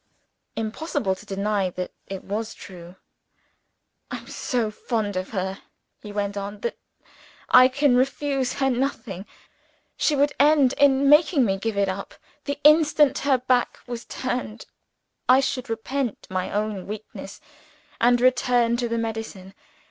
(Impossible to deny that it was true.) "I am so fond of her," he went on, "that I can refuse her nothing. She would end in making me give it up. The instant her back was turned, I should repent my own weakness, and return to the medicine.